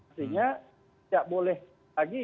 artinya tak boleh lagi